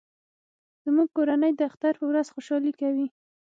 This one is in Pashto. زموږ کورنۍ د اختر په ورځ خوشحالي کوي